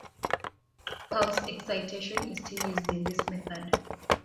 Pulse excitation is still used in this method.